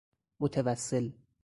متوسل